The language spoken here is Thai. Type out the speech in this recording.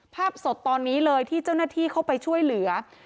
ภาพสดตอนนี้เลยที่เจ้าหน้าที่เข้าไปช่วยเหลือ